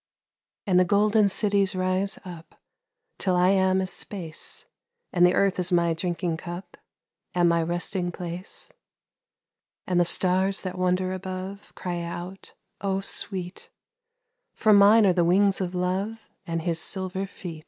And the golden cities rise up Till I am as space, And the earth is my drinking cup And my resting place. And the stars that wonder above Cry out, "Oh, sweet !" For mine are the wings of love And his silver feet.